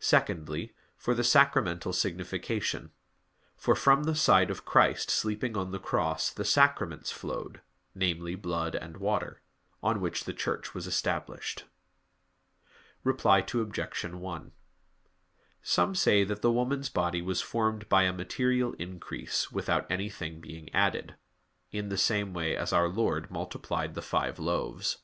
Secondly, for the sacramental signification; for from the side of Christ sleeping on the Cross the Sacraments flowed namely, blood and water on which the Church was established. Reply Obj. 1: Some say that the woman's body was formed by a material increase, without anything being added; in the same way as our Lord multiplied the five loaves.